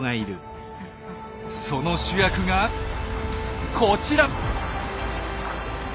その主役がこちら！